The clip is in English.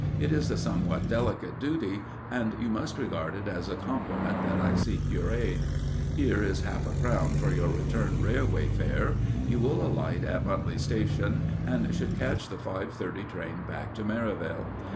It is a somewhat delicate duty, and you must regard it as a compliment that I seek your aid. Here is half a crown for your return railway fare. You will alight at Mutley Station, and should catch the five thirty train back to Merivale.